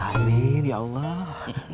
amin ya allah